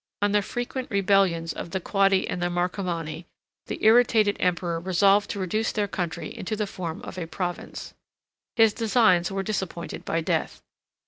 85 On the frequent rebellions of the Quadi and Marcomanni, the irritated emperor resolved to reduce their country into the form of a province. His designs were disappointed by death.